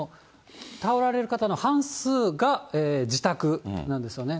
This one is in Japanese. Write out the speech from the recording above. たおられる方の半数が自宅なんですよね。